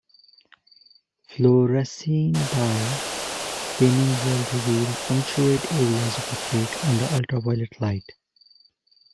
Fluorescein dye staining will reveal punctate areas of uptake under ultraviolet light.